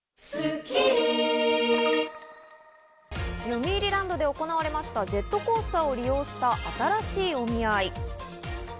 よみうりランドで行われました、ジェットコースターを利用した新しいお見合い。